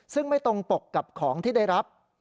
ซึ่งไม่ตรงปกกับของที่ได้รับ